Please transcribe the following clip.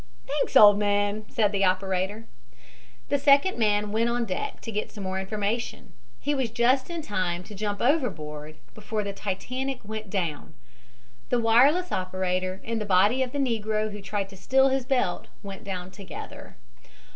"Thanks, old man," said the operator. The second man went on deck to get some more information. He was just in time to jump overboard before the Titanic went down. The wireless operator and the body of the negro who tried to steal his belt went down together.